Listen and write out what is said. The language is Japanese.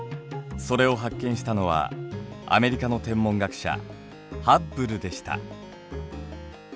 それを発見したのはアメリカの天文学者ハッブルでした。